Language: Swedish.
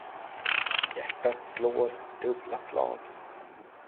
Hjärtat slår dubbla slag.